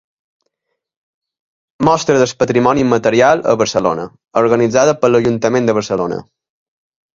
Mostra del Patrimoni Immaterial a Barcelona, organitzada per l'Ajuntament de Barcelona.